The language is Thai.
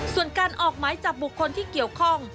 ส่วนการออกหมายจับบุคคลที่เกี่ยวข้อง